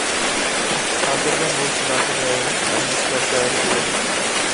-خاتىرجەم بولسىلا خوجايىن، ھەممە ئىشلار جايىدا بولىدۇ.